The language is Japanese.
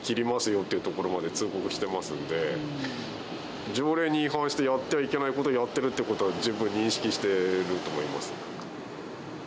よってところまで通告してますんで、条例に違反して、やってはいけないことをやってるということは十分認識してると思います。